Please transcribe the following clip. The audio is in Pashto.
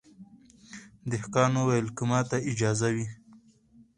دهقان وویل که ماته اجازه وي